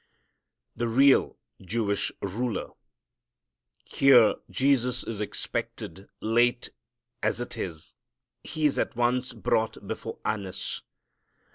The Real Jewish Ruler. Here Jesus is expected. Late as it is He is at once brought before Annas.